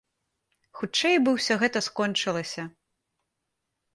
Хутчэй бы ўсё гэта скончылася.